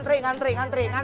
jangan jangan jangan